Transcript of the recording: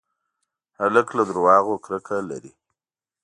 هلک له دروغو کرکه لري.